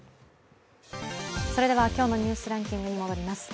それでは今日のニュースランキングに戻ります。